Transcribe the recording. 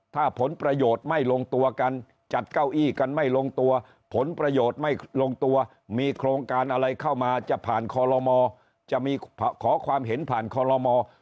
ถ้าผลประโยชน์ไม่ลงตัวกันจัดเก้าอี้กันไม่ลงตัวผลประโยชน์ไม่ลงตัวมีโครงการอะไรเข้ามาจะผ่านคอลโรมอ